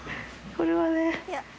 これはね。